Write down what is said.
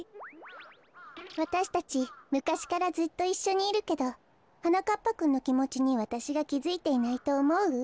わたしたちむかしからずっといっしょにいるけどはなかっぱくんのきもちにわたしがきづいていないとおもう？